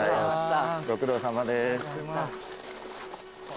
ご苦労さまです。